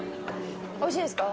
おいしいですか？